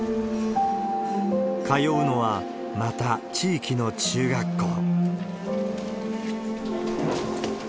通うのは、また地域の中学校。